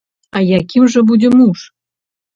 А якім жа будзе муж?